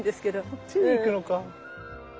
こっちに行くのか。